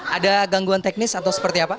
ada gangguan teknis atau seperti apa